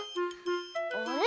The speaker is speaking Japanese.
あれ？